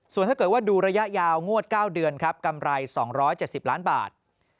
ส่วนถ้าเกิดว่าดูระยะยาวงวด๙เดือนครับกำไร๒๗๐ล้านบาท